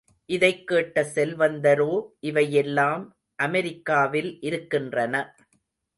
இதைக் கேட்ட செல்வந்தரோ, இவையெல்லாம் அமெரிக்காவில் இருக்கின்றன.